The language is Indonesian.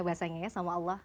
bahasanya ya sama allah